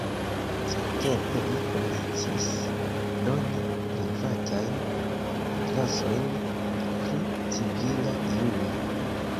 Samtempe li komencis doni privatajn klasojn pri civila juro.